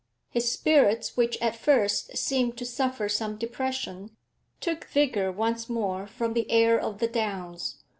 His spirits, which at first seemed to suffer some depression, took vigour once more from the air of the downs.